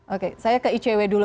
oke saya ke icw dulu